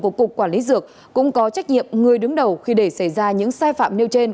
của cục quản lý dược cũng có trách nhiệm người đứng đầu khi để xảy ra những sai phạm nêu trên